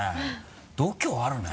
度胸あるね。